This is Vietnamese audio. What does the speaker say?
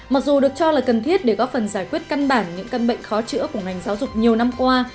mặc dù được cho là cần thiết để góp phần giải quyết căn bản những căn bệnh khó chữa của ngành giáo dục nhiều năm qua